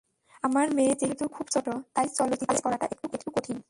আমার মেয়ে যেহেতু খুব ছোট, তাই চলচ্চিত্রে কাজ করাটা একটু কঠিন।